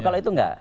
kalau itu enggak